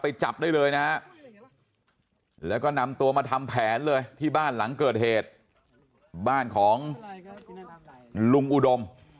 จับได้เลยนะฮะแล้วก็นำตัวมาทำแผนเลยที่บ้านหลังเกิดเหตุบ้านของลุงอุดม